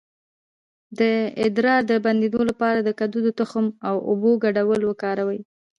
د ادرار د بندیدو لپاره د کدو د تخم او اوبو ګډول وکاروئ